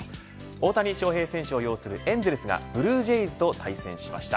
大谷翔平選手を擁するエンゼルスがブルージェイズと対戦しました。